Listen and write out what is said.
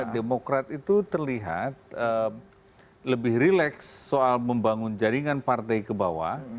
demokrat itu terlihat lebih rileks soal membangun jaringan partai ke bawah